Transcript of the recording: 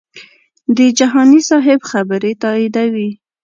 د جهاني صاحب خبرې تاییدوي.